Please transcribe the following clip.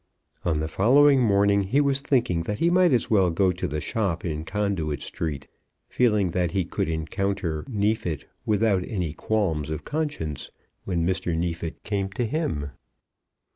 On the following morning he was thinking that he might as well go to the shop in Conduit Street, feeling that he could encounter Neefit without any qualms of conscience, when Mr. Neefit came to him.